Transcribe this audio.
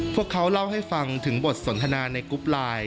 พวกเขาเล่าให้ฟังถึงบทสนทนาในกรุ๊ปไลน์